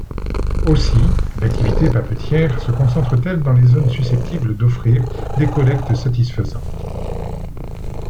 Aussi, l'activité papetière se concentre-t-elle dans les zones susceptibles d'offrir des collectes satisfaisantes.